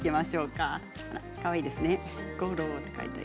かわいいですね。